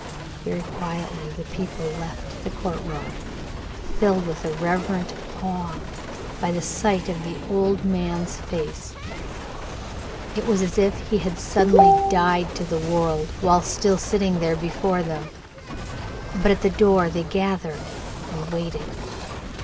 Very quietly the people left the court room, filled with a reverent awe by the sight of the old man's face. It was as if he had suddenly died to the world while still sitting there before them. But at the door they gathered and waited.